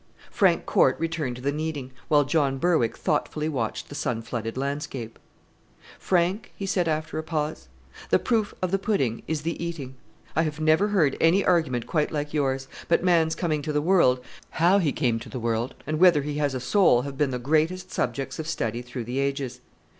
Frank Corte returned to the kneading, while John Berwick thoughtfully watched the sun flooded landscape. "Frank," he said, after a pause, "'the proof of the pudding is the eating.' I have never heard any argument quite like yours, but man's coming to the world, how he came to the world, and whether he has a soul have been the greatest subjects of study through the ages.